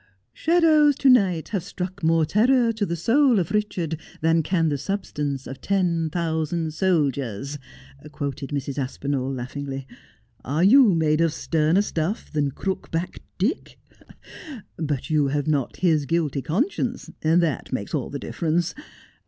'" Shadows to night have struck more terror to the soul of Richard than can the substance of ten thousand soldiers,'" quoted Mrs. Aspinall laughingly. 'Are you made of sterner stuff than crook backed Dick 't But you have not his guilty conscience, and that makes all the difference.